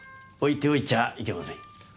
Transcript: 置いておいちゃあいけません。